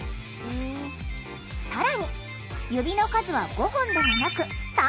更に指の数は５本ではなく３本！